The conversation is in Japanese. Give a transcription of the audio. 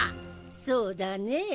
そうだね。